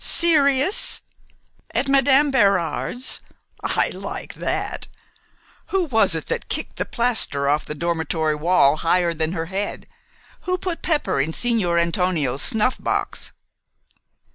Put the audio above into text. Serious? At Madam Bérard's? I like that. Who was it that kicked the plaster off the dormitory wall higher than her head? Who put pepper in Signor Antonio's snuff box?"